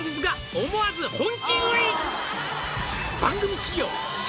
「おもわず本気食い」